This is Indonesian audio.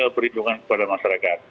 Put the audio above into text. berhitungan kepada masyarakat